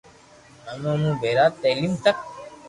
امو مون ڀيرا، تعليم تڪ